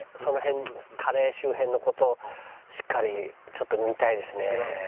カレー周辺の事をしっかりちょっと見たいですね。